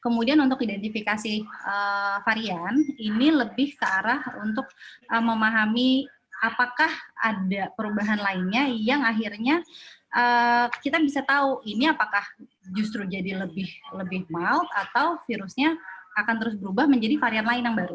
kemudian untuk identifikasi varian ini lebih ke arah untuk memahami apakah ada perubahan lainnya yang akhirnya kita bisa tahu ini apakah justru jadi lebih mild atau virusnya akan terus berubah menjadi varian lain yang baru